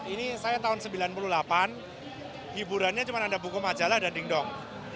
ini saya tahun sembilan puluh delapan hiburannya cuma ada buku majalah dan dingdong